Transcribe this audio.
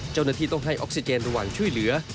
เจ้าหน้าที่ต้องให้ออกซิเจนระหว่างช่วยเหลือ